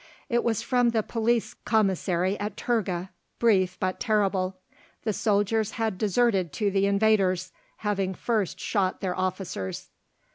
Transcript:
It was from the Police Commissary at Turga, brief but terrible; the soldiers had deserted to the invaders, having first shot their officers.